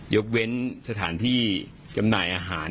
ยกเว้นสถานที่จำหน่ายอาหาร